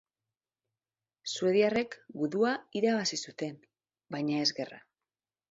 Suediarrek gudua irabazi zuten, baina ez gerra.